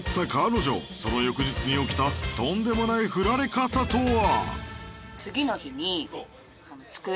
その翌日に起きたとんでもないフラれ方とは？